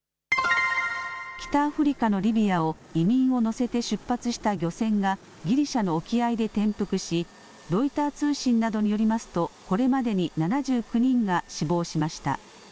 北アフリカのリビアを移民を乗せて出発した漁船がギリシャの沖合で転覆しロイター通信などによりますとこれまでに７９人が死亡しました。